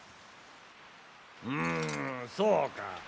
うんそうか。